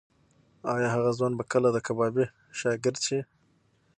ایا هغه ځوان به کله د کبابي شاګرد شي؟